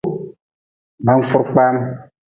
Bankpurkpaam.